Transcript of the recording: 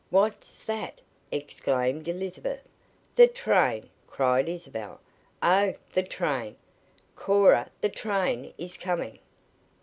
"What's that?" exclaimed Elizabeth. "The train!" cried Isabel. "Oh, the train! Cora, the train is coming!"